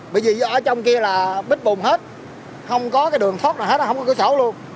bởi vì ở trong kia là bít bùn hết không có cái đường thoát nào hết không có cửa sổ luôn